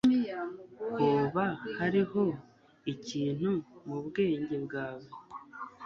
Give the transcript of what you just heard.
Hoba hariho ikintu mu bwenge bwawe